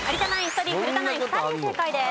１人古田ナイン２人正解です。